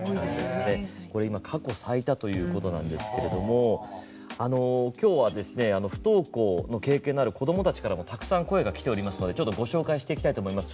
これ今、過去最多ということなんですけれども今日は不登校の経験のある子供たちからもたくさん声がきておりますのでご紹介していきたいと思います。